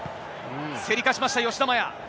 競り勝ちました、吉田麻也。